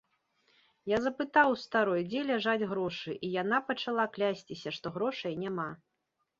Я запытаў у старой, дзе ляжаць грошы, і яна пачала клясціся, што грошай няма.